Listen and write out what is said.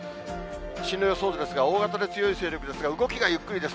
進路予想図ですが、大型で強い勢力ですが、動きがゆっくりです。